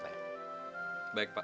terima kasih pak